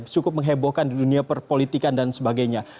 cukup menghebohkan di dunia perpolitikan dan sebagainya